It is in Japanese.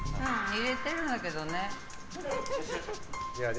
入れてるんだけどね。